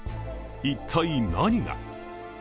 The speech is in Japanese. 一体、何が？